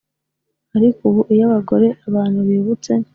ariko ubu iyo abagore abantu bibutse